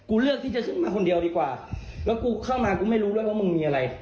เลือกที่จะขึ้นมาคนเดียวดีกว่าแล้วกูเข้ามากูไม่รู้ด้วยว่ามึงมีอะไร